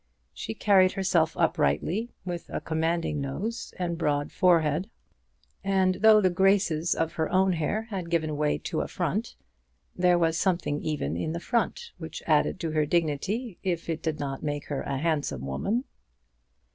She carried herself uprightly, with a commanding nose and broad forehead; and though the graces of her own hair had given way to a front, there was something even in the front which added to her dignity, if it did not make her a handsome woman.